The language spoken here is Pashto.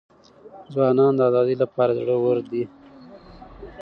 ځوانان د آزادۍ لپاره زړه ور دي.